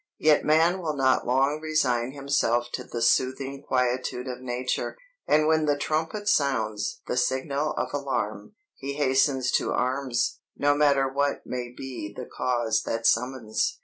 Yet man will not long resign himself to the soothing quietude of nature; and when the trumpet sounds the signal of alarm, he hastens to arms, no matter what may be the cause that summons.